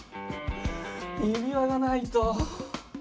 指輪がないと。